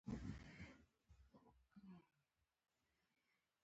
• دروغجن خلک تل ناکام وي.